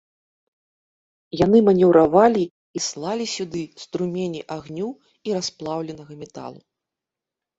Яны манеўравалі і слалі сюды струмені агню і расплаўленага металу.